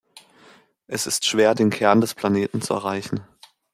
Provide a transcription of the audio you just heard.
Es ist schwer, den Kern des Planeten zu erreichen.